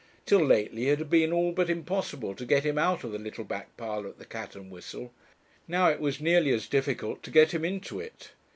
Till lately it had been all but impossible to get him out of the little back parlour at the 'Cat and Whistle'; now it was nearly as difficult to get him into it.